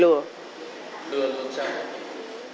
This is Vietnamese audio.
lừa làm sao